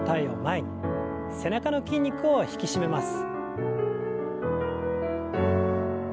背中の筋肉を引き締めます。